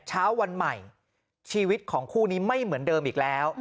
เช้าวันใหม่ชีวิตของคู่นี้ไม่เหมือนเดิมอีกแล้ว